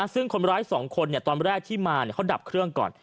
ซึ่งคนร้าย๒คนตอนแรกที่มาเขาดับเครื่องก่อน